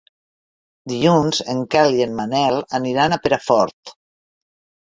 Dilluns en Quel i en Manel aniran a Perafort.